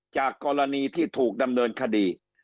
จากกรณีที่ถูกดำเนินคดี